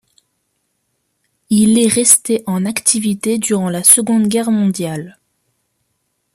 Il est resté en activité durant la seconde guerre mondiael.